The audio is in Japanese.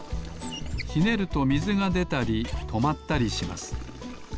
ひねるとみずがでたりとまったりします。